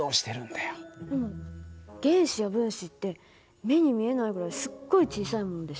でも原子や分子って目に見えないぐらいすっごい小さいものでしょ。